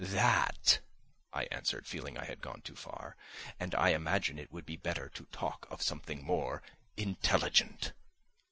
"Tha at," I answered, feeling I had gone too far, "and I imagine it would be better to talk of something more intelligent."